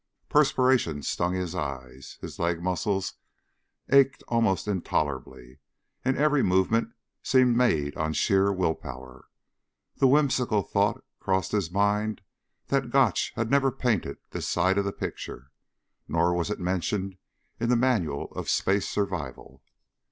Perspiration stung his eyes, his leg muscles ached almost intolerably, and every movement seemed made on sheer will power. The whimsical thought crossed his mind that Gotch had never painted this side of the picture. Nor was it mentioned in the manual of space survival.